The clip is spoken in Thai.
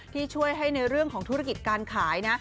ที่ช่วยให้ในเรื่องของธุรกิจการขายนะ